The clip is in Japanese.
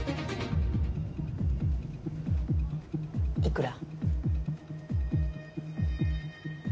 いくら？